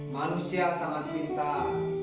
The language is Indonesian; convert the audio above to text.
manusia sangat pintar